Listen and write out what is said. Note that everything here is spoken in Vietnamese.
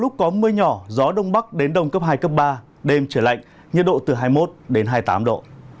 tập hai cấp ba đêm trời lạnh nhiệt độ từ hai mươi một đến hai mươi tám độ